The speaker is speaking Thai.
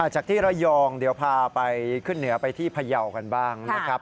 จากที่ระยองเดี๋ยวพาไปขึ้นเหนือไปที่พยาวกันบ้างนะครับ